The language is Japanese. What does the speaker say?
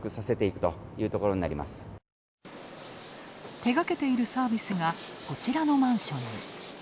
手がけているサービスが、こちらのマンションに。